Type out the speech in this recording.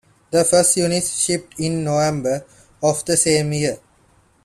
The first units shipped in November of the same year.